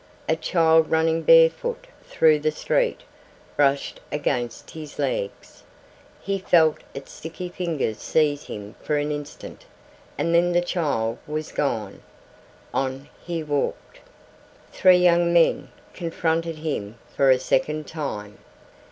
A child running barefoot through the street brushed against his legs. He felt its sticky fingers seize him for an instant and then the child was gone. On he walked. Three young men confronted him for a second time.